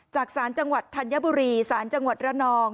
จากศาลจังหวัดธัญบุรีสารจังหวัดระนอง